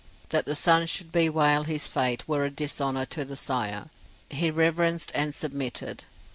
That the son should bewail his fate were a dishonour to the sire. He reverenced, and submitted.